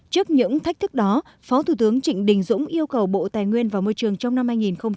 trước những thách thức đó phó thủ tướng trịnh đình dũng yêu cầu bộ tài nguyên và môi trường trong năm hai nghìn hai mươi